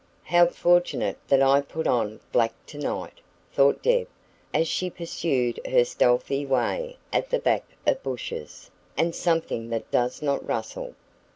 "How fortunate that I put on black tonight," thought Deb, as she pursued her stealthy way at the back of bushes "and something that does not rustle!"